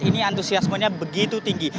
ini antusiasmenya begitu tinggi